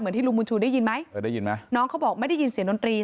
ที่ลุงบุญชูได้ยินไหมเออได้ยินไหมน้องเขาบอกไม่ได้ยินเสียงดนตรี